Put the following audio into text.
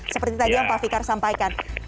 seperti tadi yang pak fikar sampaikan